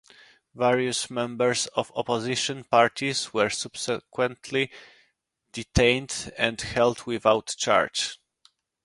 Various members of opposition parties were subsequently detained and held without charge.